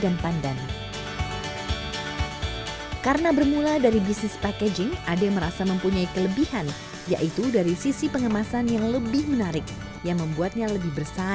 jadi saya sendiri sampai bingung apa yang bikin dia berubah gitu loh